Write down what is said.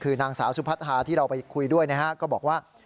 คือนางสาวสุพัทธาที่เราไปคุยด้วยนะฮะก็บอกว่า